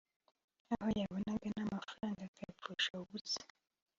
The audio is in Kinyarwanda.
aho yabonaga n’amafaranga akayapfusha ubusa